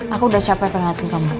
aku udah capek peringatan kamu